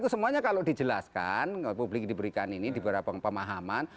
semuanya kalau dijelaskan publik diberikan ini di beberapa pemahaman